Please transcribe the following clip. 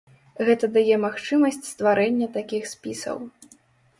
Гэта дае магчымасць стварэння такіх спісаў.